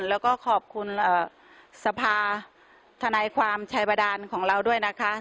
แล้วก็ขอบคุณสภาธนายความชายบาดานของเราด้วยนะคะ